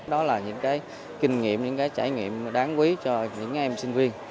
đó là những kinh nghiệm những trải nghiệm đáng quý cho những em sinh viên